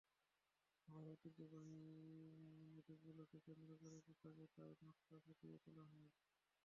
বাংলাদেশের ঐতিহ্যবাহী মোটিফগুলোকে কেন্দ্র করে পোশাকে তাই নকশা ফুটিয়ে তোলা হয়।